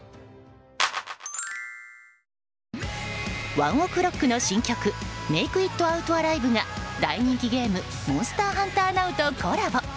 ＯＮＥＯＫＲＯＣＫの新曲「ＭａｋｅｉｔＯｕｔＡｌｉｖｅ」が大人気ゲーム「モンスターハンターＮｏｗ」とコラボ。